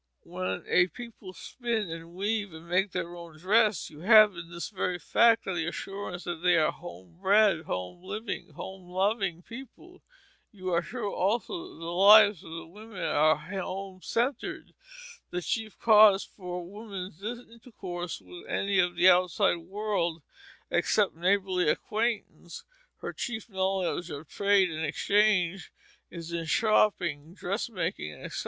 When a people spin and weave and make their own dress, you have in this very fact the assurance that they are home bred, home living, home loving people. You are sure, also, that the lives of the women are home centred. The chief cause for women's intercourse with any of the outside world except neighborly acquaintance, her chief knowledge of trade and exchange, is in shopping, dressmaking, etc.